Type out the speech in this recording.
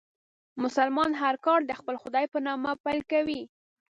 مسلمانان هر کار د خپل خدای په نامه پیل کوي.